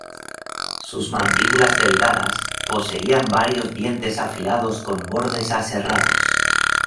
Sus mandíbulas delgadas poseían varios dientes afilados con bordes aserrados.